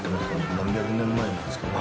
何百年前なんですかね。